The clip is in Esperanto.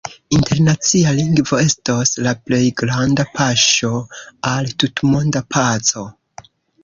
Internacia Lingvo estos la plej granda paŝo al tutmonda paco.